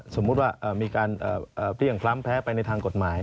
สมมติเท่าการเข้าทางกฎหมาย